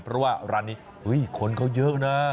เพราะว่าร้านนี้คนเขาเยอะนะ